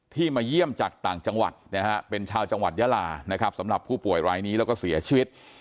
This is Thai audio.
มาเยี่ยมจากต่างจังหวัดนะฮะเป็นชาวจังหวัดยาลานะครับสำหรับผู้ป่วยรายนี้แล้วก็เสียชีวิต